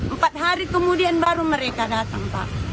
empat hari kemudian baru mereka datang pak